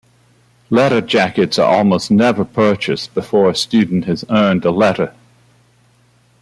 Letter jackets are almost never purchased before a student has earned a letter.